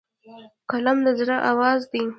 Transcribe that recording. قلم د زړه آواز دی